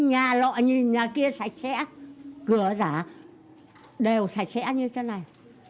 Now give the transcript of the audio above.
nhìn nhà kia sạch sẽ cửa giả đều sạch sẽ như thế này